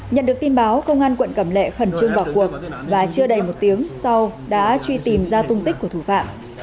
nhận được tin báo công an quận cẩm lệ khẩn trương vào cuộc và chưa đầy một tiếng sau đã truy tìm ra tung tích của thủ phạm